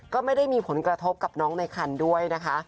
ก็ไม่ได้มีผลกระทบกับน้องในคันด้วยนะคะ